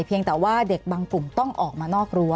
เพียงแต่ว่าเด็กบางกลุ่มต้องออกมานอกรั้